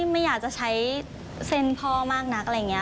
กลัวไหมหรอกคะ